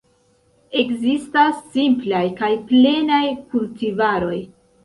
Ekzistas simplaj kaj plenaj kultivaroj.